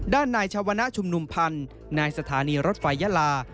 ด้านนายชวนะชุมนุมพันธ์นายสถานีรถไฟยาลา